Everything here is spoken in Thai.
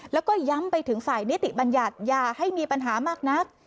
แล้วก็ย้ำไปถึงฝ่ายนิติบัญญัติอย่าให้มีปัญหามากนัก